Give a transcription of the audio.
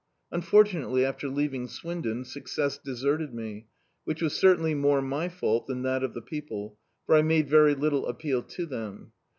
Unfortunately, after leaving Swindon, success deserted me, which was certainly more my fault than that of the people, for I made very little appeal to them.